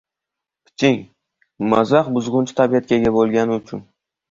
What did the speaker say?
Piching, mazax buzg‘unchi tabiatga ega bo‘lgani uchun.